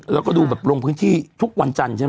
แล้วก็ดูแบบลงพื้นที่ทุกวันจันทร์ใช่ไหม